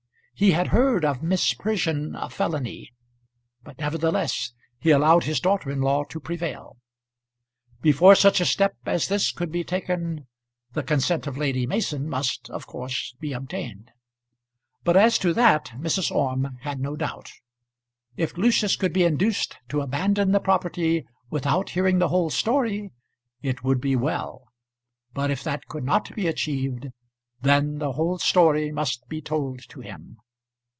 He had heard of misprision of felony; but nevertheless, he allowed his daughter in law to prevail. Before such a step as this could be taken the consent of Lady Mason must of course be obtained; but as to that Mrs. Orme had no doubt. If Lucius could be induced to abandon the property without hearing the whole story, it would be well. But if that could not be achieved, then the whole story must be told to him.